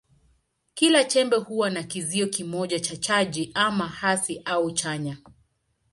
Kila chembe huwa na kizio kimoja cha chaji, ama hasi au chanya.